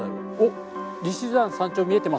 利尻山山頂見えてますね。